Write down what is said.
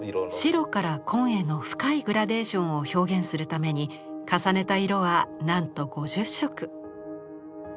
白から紺への深いグラデーションを表現するために重ねた色はなんと５０色。